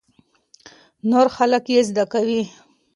نور خلک يې زده کوي.